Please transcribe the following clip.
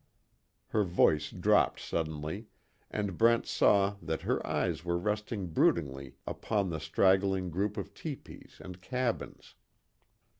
Her voice dropped suddenly, and Brent saw that her eyes were resting broodingly upon the straggling group of tepees and cabins.